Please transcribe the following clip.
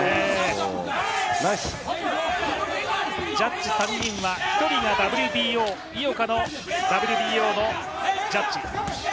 ジャッジ３人は１人が井岡のＷＢＯのジャッジ。